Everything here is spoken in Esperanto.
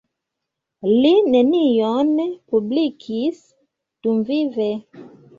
Li nenion publikis dumvive.